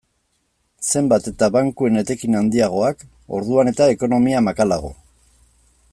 Zenbat eta bankuen etekin handiagoak, orduan eta ekonomia makalago.